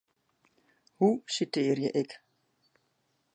Hoe sitearje ik?